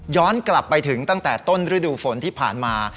กลับไปถึงตั้งแต่ต้นฤดูฝนที่ผ่านมา